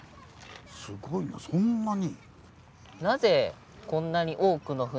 すごいなそんなに。